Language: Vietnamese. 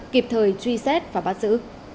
kịp thời truy xét và bắt giữ